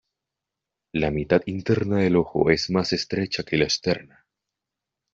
La mitad interna del ojo es más estrecha que la externa.